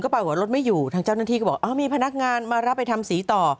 ปรากฏว่ารถไม่อยู่ทางเจ้าหน้าที่ก็บอกมีพนักงานมารับไปทำสีต่อ